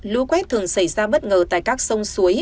lũ quét thường xảy ra bất ngờ tại các sông suối